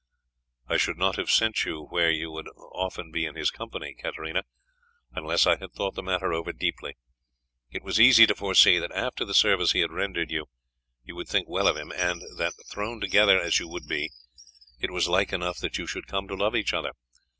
"I should not have sent you where you would often be in his company, Katarina, unless I had thought the matter over deeply. It was easy to foresee that after the service he had rendered you you would think well of him, and that, thrown together as you would be, it was like enough that you should come to love each other.